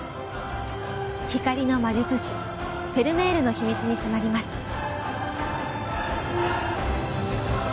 光の魔術師フェルメールの秘密に迫ります。